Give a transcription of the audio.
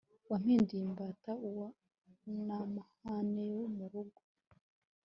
wampinduye imbata uwo n amahane yo mu rugo